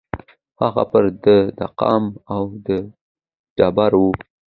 هغه پر د ده د قام او د ټبر وو